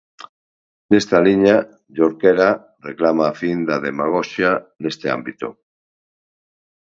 Nesta liña Jorquera reclama a fin da "demagoxia" neste ámbito.